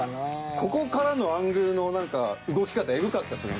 ここからのアングルの何か動き方えぐかったっすね。